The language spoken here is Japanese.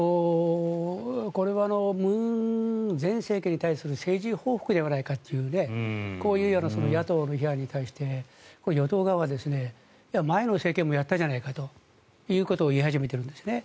これは文前政権に対する政治報告ではないかというこういうような野党の批判に対して与党側はいや、前の政権もやったじゃないかということを言い始めてるんですね。